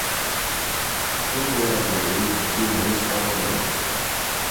Tudo era do rei e o rei estava longe.